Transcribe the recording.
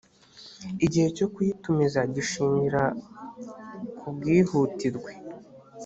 igihe cyo kuyitumiza gishingira ku bwihutirwe